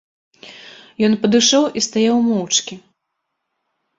Ён падышоў і стаяў моўчкі.